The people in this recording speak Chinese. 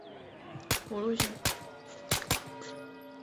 幢顶部为葫芦形刹。